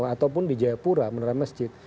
ataupun di jayapura meneram masjid